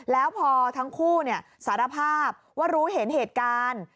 แล้วพอทั้งคู่สารภาพว่ารู้เห็นเหตุการณ์